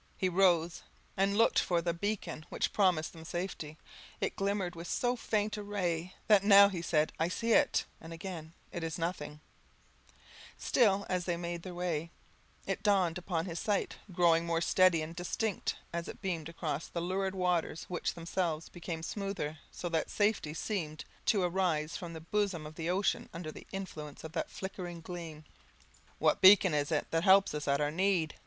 He rose and looked for the beacon which promised them safety; it glimmered with so faint a ray, that now he said, "I see it;" and again, "it is nothing:" still, as they made way, it dawned upon his sight, growing more steady and distinct as it beamed across the lurid waters, which themselves be came smoother, so that safety seemed to arise from the bosom of the ocean under the influence of that flickering gleam. "What beacon is it that helps us at our need?"